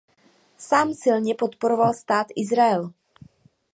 Sám silně podporoval stát Izrael.